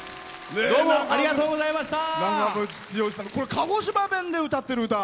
これ鹿児島弁で歌ってる歌。